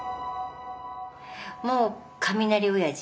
もう雷おやじ。